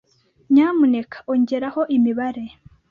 Nyamuneka ongeraho imibare.